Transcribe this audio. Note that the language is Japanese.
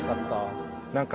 何か。